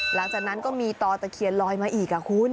หลังจากนั้นก็มีต่อตะเคียนลอยมาอีกคุณ